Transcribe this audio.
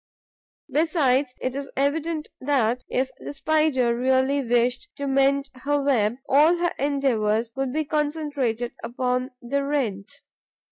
Besides, it is evident that, if the Spider really wished to mend her web, all her endeavours would be concentrated upon the rent.